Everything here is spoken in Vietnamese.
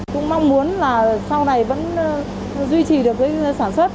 cũng mong muốn là sau này vẫn duy trì được cái sản xuất